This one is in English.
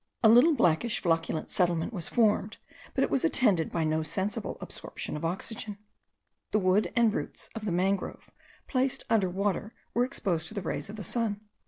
A little blackish flocculent sediment was formed, but it was attended by no sensible absorption of oxygen. The wood and roots of the mangrove placed under water were exposed to the rays of the sun.